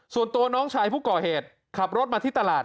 ส่วนตัวน้องชายผู้ก่อเหตุขับรถมาที่ตลาด